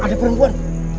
eh ada perempuan